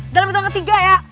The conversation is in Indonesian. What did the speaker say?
dalam situang ketiga ya